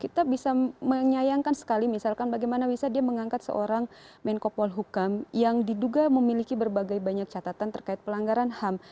kita bisa menyayangkan sekali misalkan bagaimana bisa dia mengangkat seorang menko polhukam yang diduga memiliki berbagai banyak catatan terkait pelanggaran ham